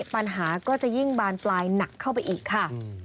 ปัญหาก็จะยิ่งบานปลายหนักเข้าไปอีกค่ะ